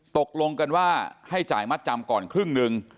ตกลงกันว่าให้จ่ายมัตรจำก่อนครึ่ง๑